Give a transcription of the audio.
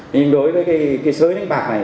nhưng đối với sởi đánh bạc này